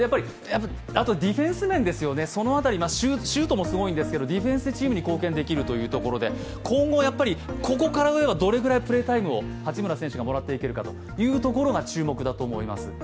あとディフェンス面ですよね、シュートもすごいんですけど、ディフェンスでチームに貢献できるということで、今後、どれぐらいここからプレータイムを八村選手がもらっていけるかというところが注目だと思います。